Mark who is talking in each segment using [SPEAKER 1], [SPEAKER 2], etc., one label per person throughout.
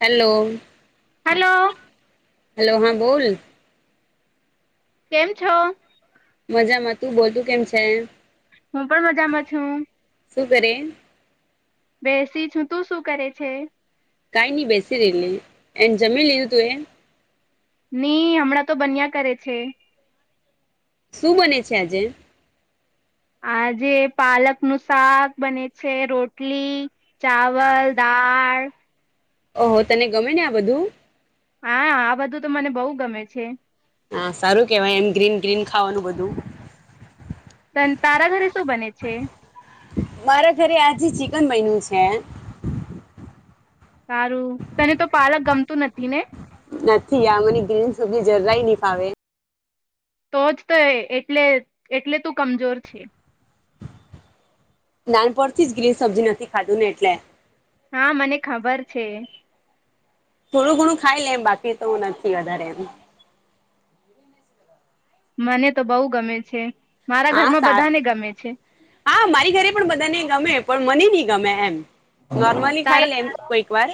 [SPEAKER 1] Hello.
[SPEAKER 2] Hello
[SPEAKER 1] hello હા બોલ.
[SPEAKER 2] કેમ છો.
[SPEAKER 1] મજામાં તું બોલતું કેમ છે.
[SPEAKER 2] હું પણ મજામાં છું
[SPEAKER 1] સુું કરે
[SPEAKER 2] બેસી છું તું શું કરે છે
[SPEAKER 1] કઈ ન‌ઈ બેસીરેલી એન જમીન લિધુ તુ એે
[SPEAKER 2] નહી હમણાં તો બન્યા કરે છે
[SPEAKER 1] શું બને છે આજે
[SPEAKER 2] આજે પાલક નું શાક બને છે રોટલી ચાવલ દાળ
[SPEAKER 1] ઓહો તને ગમે ને આ બધું
[SPEAKER 2] હા આ બધું તો મને બહુ ગમે છે
[SPEAKER 1] હા સારું કેવાય એમ ગ્રીન ગ્રીન ખાવાનું બધું
[SPEAKER 2] તન તારા ઘરે શું બને છે
[SPEAKER 1] મારા ઘરે આજે ચિકન બહિનું છે
[SPEAKER 2] સારું તને તો પાલક ગમતું નથી ને
[SPEAKER 1] નથી આ મને ગ્રીન સબજી જરા ઈ ન‌ઈ ફાવે
[SPEAKER 2] તોજ તો એટલે એટલે તું કમજોર છે
[SPEAKER 1] નાન પરથી જ ગ્રીન સબ્જી નથી ખાધું ને એટલે
[SPEAKER 2] હા મને ખબર છે
[SPEAKER 1] થોડું ઘણું ખાઈ લે એમ બાકી તો નથી વધારે એમ
[SPEAKER 2] મને તો બઉ ગમે છે મારા
[SPEAKER 1] હા
[SPEAKER 2] ઘરમાં
[SPEAKER 1] સા
[SPEAKER 2] બધાને ગમે છે
[SPEAKER 1] હા મારી ઘરે પણ બધાને ગમે પણ મને ન‌ઈ ગમે એમ નોર્મલી ખાઈ લે
[SPEAKER 2] તારા
[SPEAKER 1] કોઈક વાર.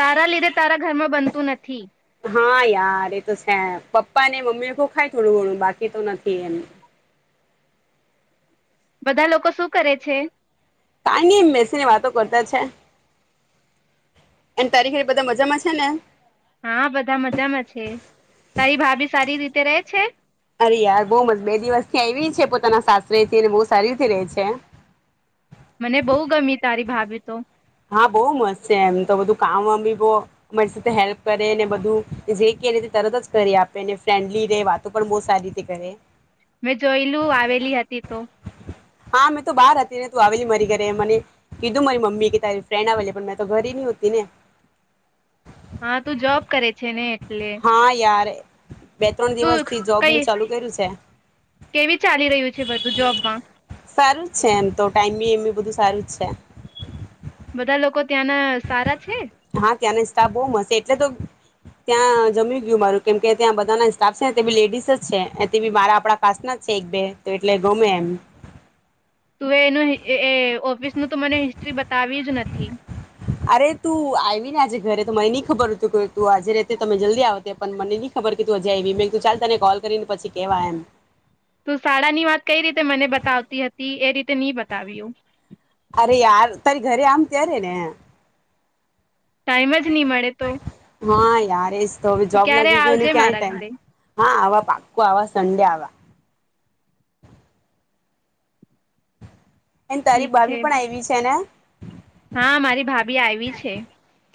[SPEAKER 2] તારા લીધે તારા ઘરમાં બનતું નથી
[SPEAKER 1] હા યાર એ તો છે પપ્પા ને મમ્મી કો ખાય થોડું ઘણું બાકી તો નથી એમ.
[SPEAKER 2] બધા લોકો શું કરે છે?
[SPEAKER 1] કઈ નઇ બેસીને વાતો કરતા છે અને તારી ઘરે બધા મજામાં છે ને?
[SPEAKER 2] હા બધા મજામાં છે. તારી ભાભી સારી રીતે રેય છે.
[SPEAKER 1] અરે યાર બહુ મસ્ત બે દિવસ થી આવી પોતાના સાસરેથીને બહુ સારી રીતે રેહ છે.
[SPEAKER 2] મને બહુ ગમી તારી ભાભી તો
[SPEAKER 1] હા બહુ મસ્ત છે એમ તો બધું કામ બામ બી બ અમારી સાથે હેલ્પ કરેને બધું જે ક તરત જ કરી આપેને ફ્રેન્ડલી રેય વાતો પણ બહ સારી રીતે કરે.
[SPEAKER 2] મેં જોયલું આવેલી હતી તો
[SPEAKER 1] હા મેં તો બહાર હતી ને તું આવેલી મારી ઘરે મને કીધું મારી મમ્મી કે તારી ફ્રેન્ડ આવેલી પણ મેં તો ઘરે નહ હોતી ને
[SPEAKER 2] હા તું જોબ કરે છે ને? એટલે
[SPEAKER 1] હા યાર એ
[SPEAKER 2] શું કઈ
[SPEAKER 1] કર્યું છે
[SPEAKER 2] કેવી ચાલી રહ્યું છે બધું જોબમાં.
[SPEAKER 1] સારું જ છે એમ તો ટાઈમી એમ બી બધું સારું જ છે.
[SPEAKER 2] બધા લોકો ત્યાંના સારા છે
[SPEAKER 1] હા, ત્યાંને સ્ટાફ બહુ મસે એટલે તો ત્યાં જમી ગયું મારું કેમકે ત્યાં બધા ના સ્ટાફ છે તે બી લેડીસ જ છે બી મારા આપડા કાસ્ટ ના જ છે એક બે તો એટલે ગમે એમ
[SPEAKER 2] તું એનું એ એ ઓફિસ નું તો મને હિસ્ટ્રી બતાવી જ ન થીમ.
[SPEAKER 1] અરે તું આયવીને આજે ઘરે તો મને ની ખબર તું કે તું આજે રેતે તો મે જલ્દી આવતે પણ મને ની ખબર કે તું અજે આયવી મે તું ચાલ તને કોલ કરીને પછી કેવા એમ.
[SPEAKER 2] તું શાળાની વાત કઈ રીતે મને બતાવતી હતી એ રીત તે ની બતાવ્યું.
[SPEAKER 1] અરે યાર તારી ઘરે આમ ત્યારે ને.
[SPEAKER 2] ટાઈમ જ નહી મળે તો
[SPEAKER 1] હા યાર એજ તો હવે
[SPEAKER 2] તું
[SPEAKER 1] જોબ
[SPEAKER 2] ક્યારે
[SPEAKER 1] લાગી ગયુંને
[SPEAKER 2] આવજે
[SPEAKER 1] ક્યાંય
[SPEAKER 2] મારા
[SPEAKER 1] ટાઈમ
[SPEAKER 2] ઘરે
[SPEAKER 1] હા આવા પાકું આવા સન્ડે આવા. એન તારી
[SPEAKER 2] ઠીક
[SPEAKER 1] ભાભી
[SPEAKER 2] છે
[SPEAKER 1] પણ આયવી છે ને?
[SPEAKER 2] બી આયવી છે.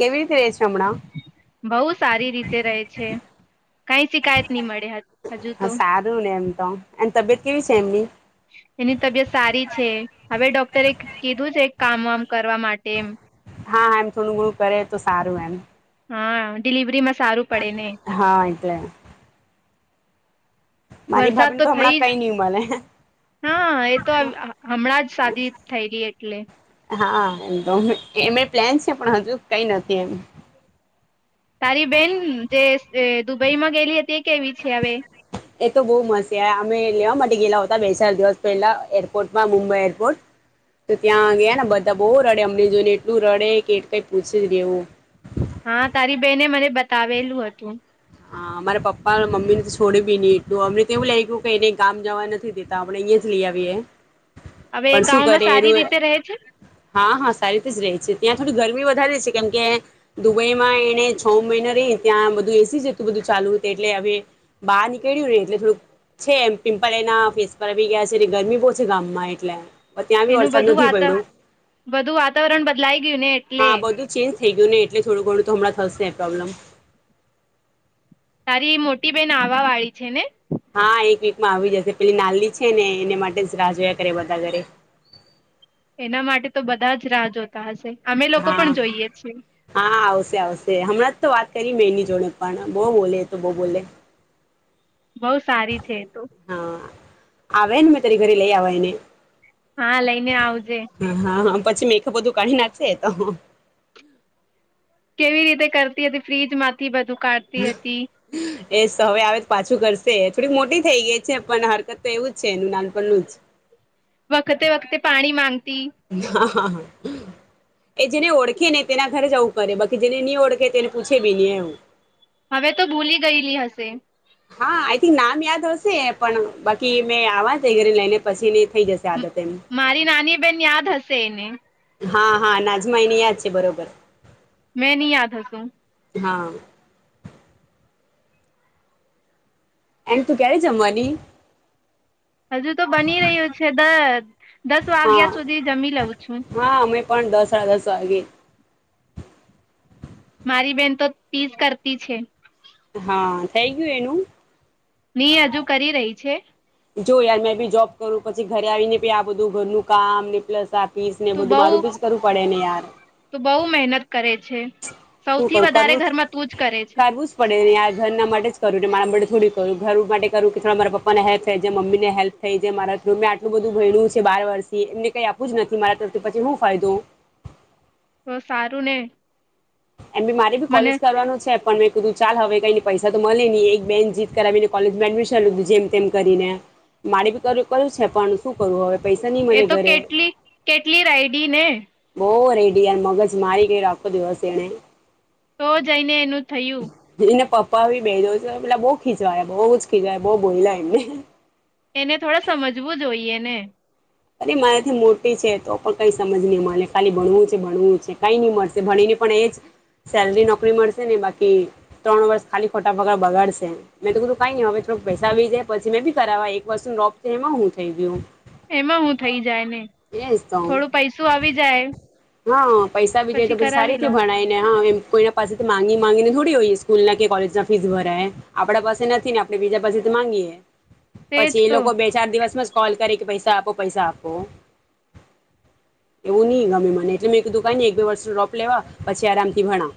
[SPEAKER 1] કેવી રીતે રે છે હમણાં
[SPEAKER 2] બહુ સારી રીતે રહે છે. કઈ શિકાયત ની મળે હ હજુ તો.
[SPEAKER 1] હા સારું ને એમ તો એન તબિયત કેવી છે, એમની
[SPEAKER 2] એની તબિયત સારી છે, હવે ડોક્ટરે કીધું છે કામ વામ કરવા માટે એમ
[SPEAKER 1] હા, હા, એમ થોડું ઘણું કરે તો સારું એમ
[SPEAKER 2] હા, ડિલિવરીમાં સારું પડે ને
[SPEAKER 1] હા, એટલે મારી
[SPEAKER 2] વરસાદ
[SPEAKER 1] ભાભીને
[SPEAKER 2] તો
[SPEAKER 1] હમણાં
[SPEAKER 2] થઈ જ
[SPEAKER 1] કઈ નહી મળે
[SPEAKER 2] હ, એ તો હમણાં જ સાદી થઈ ગઈ એટલે
[SPEAKER 1] હા એમ એ પ્લેન છે પણ હજુ કઈ નથી એમ
[SPEAKER 2] તારી બેન, જેસ એ. દુબઈમાં ગયેલી હતી, એ કેવી છે, હવે.
[SPEAKER 1] એ તો બહુ મસ્ યાર અમે લેવા માટે ગેલા હતા, બે ચાર દિવસ પહેલા એરપોર્ટમાં મુંબઈ એરપોર્ટ તો ત્યાં ગયા, ને બધા બહુ રડે અમને જોઈને એટલું રડે કે કઈ પૂછેજ ની એવું.
[SPEAKER 2] હા, તારી બેને મને બતાવેલું હતું.
[SPEAKER 1] હા, અમારા પપ્પાને મમ્મીને, તો છોડ બી ની એટલું અમને કેવું લાગ્યું કે એને ગામ જવા નથી, દેતા આપણે અહીંયાજ, લી આવીએ.
[SPEAKER 2] હવે,
[SPEAKER 1] પણ શું
[SPEAKER 2] ગાવમાં
[SPEAKER 1] કરે
[SPEAKER 2] સારી
[SPEAKER 1] એનું
[SPEAKER 2] રીતે રહે છે?
[SPEAKER 1] હા હા સારી રીતે જ રે છે, ત્યાં થોડી ગરમી વધારે છે કેમ કે દુબઈમાં એને છ મહિના, રે ત્યાં બધું એસી જ. એવું બધું ચાલુ હતું એટલે હવે બહાર નીકળ્યું ને એટલે થોડુંક છે, એમ પિમ્પલ એના ફેસ પર આવી ગયા છે, ગરમી બહુ છે, ગામમાં એટલે ત્યાં બી
[SPEAKER 2] એનું
[SPEAKER 1] વરસાદ
[SPEAKER 2] બધું
[SPEAKER 1] નથી
[SPEAKER 2] વાતા
[SPEAKER 1] પડ્યો,
[SPEAKER 2] બધું વાતાવરણ બદલાઈ ગયું ને એટલે
[SPEAKER 1] હા બધું ચેન્જ થઈ ગયું, ને એટલે થોડું ઘણું તો હમણાં. થશે, પ્રોબ્લમ.
[SPEAKER 2] તારી મોટી, બેન આવા વાળી છેને?
[SPEAKER 1] હા, એક વીકમાં આવી જ, શે પેલી નાલી છેને, એને માટે જ રાહ જોયા કરે બધા ઘરે.
[SPEAKER 2] એના માટે તો બધાજ રાહ જોતા, હશે. અમે લોકો
[SPEAKER 1] હા,
[SPEAKER 2] પણ જોઈએ છીએ
[SPEAKER 1] હા આવશે, આવશે હમણાં. તો વાત કરી મેં એની જોડે પણ બહુ બોલે એ, તો બહુ બોલે.
[SPEAKER 2] બહુ સારી છે. તો.
[SPEAKER 1] આવેને મેં તરી ઘરે લઈ, આવ એને
[SPEAKER 2] હા, લઈને આવજે.
[SPEAKER 1] હા હા પછી મેઘઅપ બધું કાઢીનાર છે, તો
[SPEAKER 2] કેવી રીતે કરતી હતી, ફ્રીજ માંથી બધું કારતી હતી.
[SPEAKER 1] એ હવે આવે પાછું કરશે થોડીક મોટી થઈ ગઈ છે, પણ હરકત તો એવુંજ છે, એનું નાનપું જ.
[SPEAKER 2] વખતે, વખતે પાણી માંગ.
[SPEAKER 1] ના હા, એ જેને ઓળખે ને તેના ઘરેજ આવું કરે બાકી જેને નહી, ઓળખે તેને પૂછે બી નહી એમ.
[SPEAKER 2] હવે, તો ભૂલી ગયેલી હશે.
[SPEAKER 1] હા, આઈ થિંક નામ યાદ હશે પણ બાકી મેં આવવા જ ઘરે લઈને પછી ની થઈ, જશે આદત. એમ
[SPEAKER 2] મારી, નાની. બેન, યાદ હશે એને.
[SPEAKER 1] હા, હા નાજમાયની યાદ છે, બરોબર.
[SPEAKER 2] મેં નહી, યાદ હસું.
[SPEAKER 1] હા. એને, તું ક્યારે જમવાની.
[SPEAKER 2] હજુ, તો બની રહ્યું છે, દસ. દસ
[SPEAKER 1] હા
[SPEAKER 2] વાગ્યા સુધી જમી, લઉં છું.
[SPEAKER 1] હા અમે પણ દસરા, દ સ્વાગી.
[SPEAKER 2] મારી બેન, તો તીસ કરતી છે.
[SPEAKER 1] હા, થઈ ગયુ એનું.
[SPEAKER 2] ની હજુ કરી રહી છે.
[SPEAKER 1] જો યાર મે બી જોબ કરું પછી, ઘરે આવીને બી આ બધું ઘરનું કામ ને પ્લસ. ફીસ ને બધું મારું જ કરું પડે ને આર [inaudible]
[SPEAKER 2] તુ બઉુ મહેનત કરે છે
[SPEAKER 1] શું
[SPEAKER 2] સૌથી
[SPEAKER 1] કરું
[SPEAKER 2] વધારે
[SPEAKER 1] કરવું
[SPEAKER 2] ઘરમાં તું જ કરે છે
[SPEAKER 1] કરવું જ પડે ને યાર ઘરના માટે જ કરું મારા માટે થોડી કરું ઘર માટે કરું કે થોડા મારા પપ્પાને હેલ્પ થાય છે, મમ્મીને હેલ્પ થાય મારા મેં આટલું બધું ભણ છે બાર વર્ષથી એમને કઈ આપું જ નથી મારા તરફથી પછી શું ફાયદો
[SPEAKER 2] તો સારું ને
[SPEAKER 1] એમ બી મારે ભી
[SPEAKER 2] મને
[SPEAKER 1] કોલેજ કરવાનું છે પણ મેં કીધું ચાલ હવે કઈને પૈસા તો મળે નહી એક બેને જીત કરાવીને કોલેજમાં એડમિશન લીધું જેમ તેમ કરીને, મારે બી કર કર્યું છે પણ શું કરવું હવે પૈસા નહીં
[SPEAKER 2] એ
[SPEAKER 1] મળે
[SPEAKER 2] તો
[SPEAKER 1] ઘરે
[SPEAKER 2] કેટલી કેટલી રાયડી ને
[SPEAKER 1] બહુ રેડી યાર, મગજ મારી ગય રાખો દિવસ એને
[SPEAKER 2] તો જઈને એનું થયું.
[SPEAKER 1] પા બી જાઉં છું પેલા બઉુ ખીચવા બહુ જ ખીચવા બહુ બોલલા એમને.
[SPEAKER 2] એને થોડડા સમજવું જોઈએ ને.
[SPEAKER 1] અરે મારાથી મોટી છે તો પણ કઈ સમજ નહી મને ખાલી ભણવું છે ભણવું છે કઈ નહીં મળશે ભણીને પણ એ જ સેલરી નોકરી મળશે ને બાકી ત્રણ વર્ષ ખાલી ખોટા બગા બગાડશે મેં તો કીધું કઈ ન હવે થોડક પૈસા આવી જાય પછી મે બી કરાવવા એક વર્ષ નું ડ્રોપ એમાં હું થઈ ગયું.
[SPEAKER 2] એમાં હું થઈ જાય ને
[SPEAKER 1] એજ તો
[SPEAKER 2] થોડું પૈસું આવી જાય
[SPEAKER 1] હા પૈસા બી જાય તો પછી સારી
[SPEAKER 2] કરાવી
[SPEAKER 1] રીતે
[SPEAKER 2] લો
[SPEAKER 1] ભણાય ને હા એમ કોઈના પાસેથી મામાંગી માંગીને થોડી હોય. સ્કૂલ ના કે કોલેજ ના ફીસ ભરાય આપડા પાસે નથી ને આપડે બીજા પાસે તો માંગીયએ.
[SPEAKER 2] તેજ
[SPEAKER 1] પછી એ
[SPEAKER 2] તો
[SPEAKER 1] લોકો બે ચાર દિવસ માં જ કોલ કરે કે પૈસા આપો પૈસા આપો. એવું નહી ગમે મને એટલે મેં કીધું કાઈ નહીં એક બે વર્ષ ડ્રોપ લેવા પછી આરામથી ભણા.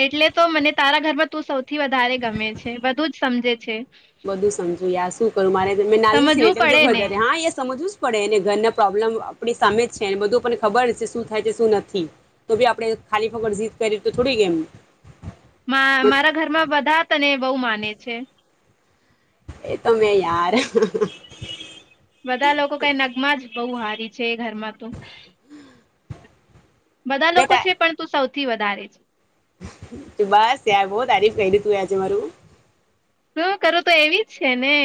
[SPEAKER 2] એટલે તો મને તારા ઘરમાં તું સૌથી વધારે ગમે છે બધું જ સમજે છે.
[SPEAKER 1] બધું સમજો યા શું કરું મારે નાલની
[SPEAKER 2] સમજવું પડે ને
[SPEAKER 1] સનેટ [unintelligible] હા એ સમજ વુંજ પડે ને ઘરના પ્રોબ્લેમ આપડી સામે જ છેને બધું આપને ખબર છે શું થાય છે શું નથી તો ભી આપડે ખાલી ફકડ જી કરી તો થોડી કેમ
[SPEAKER 2] મા મારા ઘરમાં બધા તને બહુ માને છે.
[SPEAKER 1] એ તો મેં યાર
[SPEAKER 2] બધા લોકો કઈ નગમાં જ બહુ હારી છે એ ઘરમાં તો. બધા લોકો
[SPEAKER 1] બેટા
[SPEAKER 2] છે પણ તું સૌ થી વધારે છે
[SPEAKER 1] બસ યાર બહ તારીફ કરી તુંએ આજે મારું
[SPEAKER 2] શું કરું તો એવી જ છે ને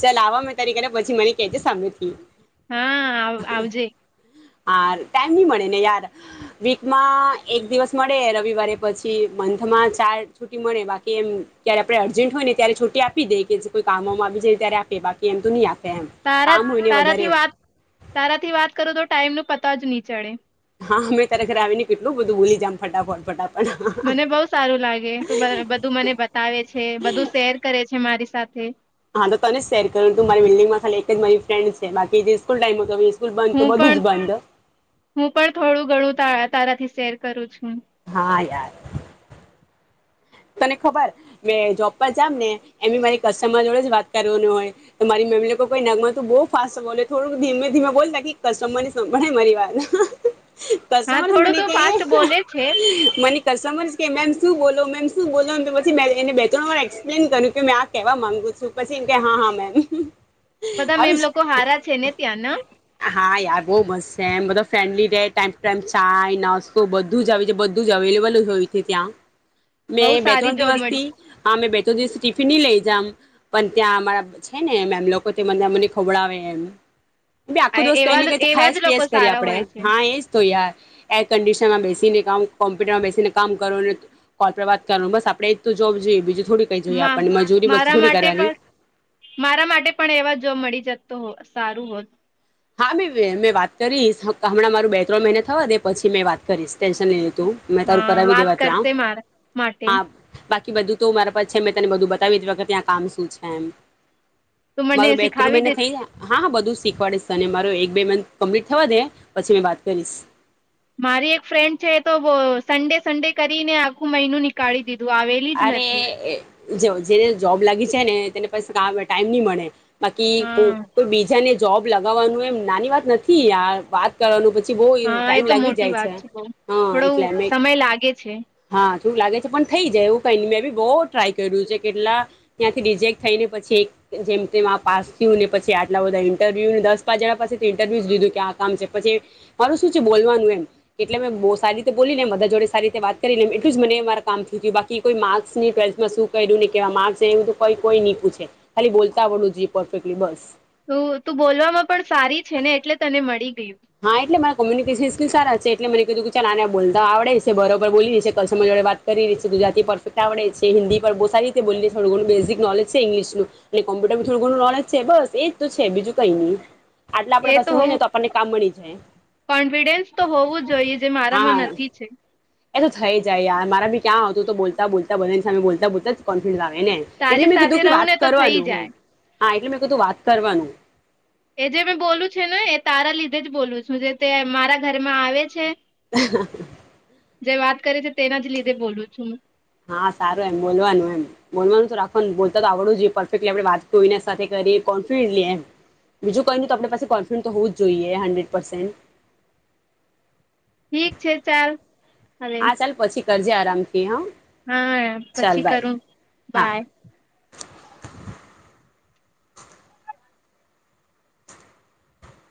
[SPEAKER 1] ચલ આવા મેં તારી ઘરે પછી મને કેજે સામેથી
[SPEAKER 2] હા, આવજે
[SPEAKER 1] હા, ટાઈમ ની મળે ને યાર, વીકમાં એક દિવસ મળે રવિવારે પછી મંથમાં ચાર છુટી મળે બાકી એમ ત્યારે આપડે અર્જન્ટ હોય ને ત્યારે છુટી આપી દે કે કોઈ કામમાં આવી જાયને ત્યારે આપે બાકી એમ તો ની આપે એમ
[SPEAKER 2] તારા
[SPEAKER 1] કામ હોય ને વધારે
[SPEAKER 2] તારાથી વાત તારાથી વાત કરું તો ટાઈમ નું પ ત જ ની ચડે
[SPEAKER 1] હા અમે તારા ઘરે આવીને કેટલું બધું બૂલી જમ ફટાફટ. ફટાફટ
[SPEAKER 2] મને બઉ સારું લાગે તું બધું મને બતાવે છે બધું શેર કરે છે મારી સાથે.
[SPEAKER 1] હા તો તને જ શેર કરું તું મારી બિલ્ડિંગમાં ખાલી એક જ મારી ફ્રેન્ છે બાકી જે સ્કૂલ ટાઈમ હતો સ્કૂલ બંધ તો
[SPEAKER 2] હું
[SPEAKER 1] બધું
[SPEAKER 2] પણ
[SPEAKER 1] જ બંધ
[SPEAKER 2] હું પણ થોડું ઘણું તાર તારાથી શેર કરું છું.
[SPEAKER 1] હા યાર તને ખબર મે જોબ પર જામ ને એ મારી કસ્ટમર જોડે જ વાત કરવાનું હોય તો મારી મમ્મી લોકો કોઈ નગમ તું બહ ફાસ્ટ બો થોડું ધીમે ધીમે બોલતા તાકી કસ્ટમર ની સંભળાય મારી વાત. [unintelligible]
[SPEAKER 2] હા
[SPEAKER 1] કસ્ટમર જ
[SPEAKER 2] થોડું
[SPEAKER 1] મને
[SPEAKER 2] તો
[SPEAKER 1] કઈ
[SPEAKER 2] ફાસ્ટ બોલે છે
[SPEAKER 1] એ મને કસ્ટમરસ કે મેમ શું બોલો મેમ. [unintelligible] બોલછ પછી મે અને બે તન વાર એક્સપ્લેન કર્યું કે મે આ કેવા માંગુ છું પછી એમ કે હા હા મેમ.
[SPEAKER 2] બધા મેમ
[SPEAKER 1] આવીશ
[SPEAKER 2] લોકો હારા છે ને ત્યાં ના.
[SPEAKER 1] હા યાર બહુ મસ છે એમ બધા ફ્રેન્ડલી રહે ટાઈમ ટુ ટાઈમ ચાય નાસ્તો બધું જ બધું જ અવેલેબલ હોય છે ત્યાં.
[SPEAKER 2] બહુ
[SPEAKER 1] મેં બે
[SPEAKER 2] સારી
[SPEAKER 1] ત્રણ
[SPEAKER 2] જોબ
[SPEAKER 1] દિવસ
[SPEAKER 2] મળી
[SPEAKER 1] થી આ મેં બે ત્રણ દિવસથી ટિફિન ની લઈ જામ પણ ત્યાં અમારા છે નેમ એમ લોકો મને મને ખોવડાવે એમ. એમ ભી આખો દોસ્ત કઈ
[SPEAKER 2] એવા
[SPEAKER 1] ને કઈ તો
[SPEAKER 2] એવા
[SPEAKER 1] ખાયાસ
[SPEAKER 2] જ લોકો
[SPEAKER 1] પીયાસ કરીએ
[SPEAKER 2] સારા
[SPEAKER 1] આપડે
[SPEAKER 2] હોય છે.
[SPEAKER 1] હા એજ તો યાર. એર કન્ડિશનરમાં બેસીને કામ કોમ્પ્યુટરમાં બેસીને કામ કરો. કોલ પર વાત કરવાનું બસ આપડે તો જો જોઈએ બીજું થોડી કઈ જોઈએ
[SPEAKER 2] મા
[SPEAKER 1] આપણને મજૂરી મસ્તી
[SPEAKER 2] મારા
[SPEAKER 1] થોડી
[SPEAKER 2] માટે
[SPEAKER 1] કરવાની
[SPEAKER 2] પણ મારા માટે પણ એવા જોવા મળી જત તો સારું હોત.
[SPEAKER 1] હા મે મેં વાત કરીશ હમણાં મારું બે ત્રણ મહિને થવા દે પછી મેં વાત કરીશ ટેન્શન ની લે. તુ મે તારું
[SPEAKER 2] હા
[SPEAKER 1] કરાવ
[SPEAKER 2] વાત
[SPEAKER 1] દેવા ત્યાં
[SPEAKER 2] કરશે મારા માટે
[SPEAKER 1] હા બાક કે બધું તો મારા પાછ છે મેં તને બધું બતાવી દીધું કે ત્યાં કામ શું છે એમ.
[SPEAKER 2] તું મને
[SPEAKER 1] મારું બે ત્રણ
[SPEAKER 2] શીખાવી
[SPEAKER 1] મહિને
[SPEAKER 2] દે
[SPEAKER 1] થઈ ગયા હા હા બધું શીખવાડીશ. તને મારો એક બે મંથ કમ્પ્લીટ થવા દે પછી મે વાત કરીશ.
[SPEAKER 2] મારી એક ફ્રેન્ડ છે તો સન્ડે સન્ડે કરીને આખું મહિનું નીકાળી દીધું. બુ આવેલી જ
[SPEAKER 1] અરે
[SPEAKER 2] નથી.
[SPEAKER 1] જો જેને જોબ લાગી જાય ને તેને પછ કામ ટાઈમ નહી મળે. બાકી કો
[SPEAKER 2] હા
[SPEAKER 1] બીજાને જોબ લગાવવાનું એમ નાની વાત નથી યાર વાત કરવાનું પછ છી બ
[SPEAKER 2] હા એ
[SPEAKER 1] ટાઈમ
[SPEAKER 2] તો
[SPEAKER 1] લાગી
[SPEAKER 2] મોટી
[SPEAKER 1] જાય છે
[SPEAKER 2] વાત બઉ
[SPEAKER 1] હા
[SPEAKER 2] થોડો
[SPEAKER 1] એટલે અમે
[SPEAKER 2] સમય લાગે છે
[SPEAKER 1] હા એવુ લાગે છે પણ થઈ જાય આવું. કની મેં બી બહુ ટ્રાય કર્યું છે કેટલા ત્યાંથી રિજેક્ટ થઈ ને પછી જેમ પાસ થયું ને પછી આટલા બધા ઇન્ટરવ્યૂને દસ પાંચ જણા પાસેથી ઇન્ટરવ્યૂ જ લીધું કે આ કામ છે પછી મારું શું છે બોલવાનું એમ એટલે મેં બહુ સારી રીતે બોલીને બધા જોડે સારી રીતે વાત કરી લેમ એટલું જ મને મારા કામ થયું બાકી કે કોઈ માર્ક્સ ન ટ્વેલ્થમાં શું ક્યું ને કેવા માસ એઈ કોઈ નહી પૂછે ખાલી બોલતા આવડવું જોઈ પરફેક્ટલી બસ.
[SPEAKER 2] તુ તું બોલવામાં પણ સારી છે ને એટલે તને મળી. ગયું
[SPEAKER 1] હા એટલે મારા કોમ્યુનિકેશસ સારા છે એટલે મને કીધું કે ચાલ આના બોલતા આવડે સે બરોબર બોલી રહી છે [unintelligible] જોડે વાત કરી રી છે ગુજરાતી પરફેક્ટ આવડે સે, હન્દી પર બુ સારી રીતે બોલી થોડું ઘણું બેઝિક નોલેજ છે ઇંગ્લિશનું ને, કોમ્પ્યુરમાં થડુંધણું નોલેજ છે બસ એજ તો છે બીજુ કઈ ની આટલા આપડા પાસે હોય ને તો આપણને
[SPEAKER 2] કોન્ફિડેન્સ તો હોવું જોઈએ જે
[SPEAKER 1] હા
[SPEAKER 2] મારામાં
[SPEAKER 1] હા
[SPEAKER 2] નથી છે
[SPEAKER 1] એ તો થઈ જાય યાર મારા બી ક્યાં આવતું તો બોલતા બોલતા બધાની સામે બોલતા બોલતા જ કોન્ફિડન્સ ને,
[SPEAKER 2] તારી
[SPEAKER 1] એટલે મેં
[SPEAKER 2] સાથે
[SPEAKER 1] કીધું કે
[SPEAKER 2] રહું
[SPEAKER 1] વાત
[SPEAKER 2] ને તો થઈ
[SPEAKER 1] કરવાનું હો
[SPEAKER 2] જાય
[SPEAKER 1] હા, એટલે મેં કીધું વાત કરવાનું
[SPEAKER 2] એ જે મેં બોલું છે ને એ તારા લીધે જ બોલું છું જે તે મારા ઘરમાં આવે છે
[SPEAKER 1] [unintelligible]
[SPEAKER 2] જે વાત કરી છે તેના જ લીધે બોલું છું, હું
[SPEAKER 1] હા, સારું એમ બોલવાનું એમ બોલવાનું તો રાખવાનું, બોલતા તો આવડુંજ જોઈએ પરફેક્ટલી આપણે વાત કોઈના સાથે કરીએ કોન્ફિડન્ટલી એમ બીજુ કંઈ ની તો આપ પાસે કોન્ફિડન્ટ તો હોવું જ જોઈએ હંડ્રેડ પર્સેન્ટ
[SPEAKER 2] ઠીક છે, ચાલ હવે
[SPEAKER 1] હા, ચાલ પછી કરજે આરામ થી હા.
[SPEAKER 2] હા, યાર
[SPEAKER 1] ચાલ
[SPEAKER 2] પછી
[SPEAKER 1] બાય
[SPEAKER 2] કરું
[SPEAKER 1] હા
[SPEAKER 2] બાય.